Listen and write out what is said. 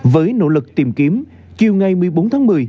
với nỗ lực tìm kiếm chiều ngày một mươi bốn tháng một mươi